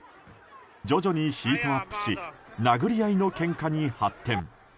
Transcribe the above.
徐々にヒートアップし殴り合いのけんかに発展。